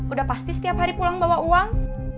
udah pasti setiap hari pulang bawa uang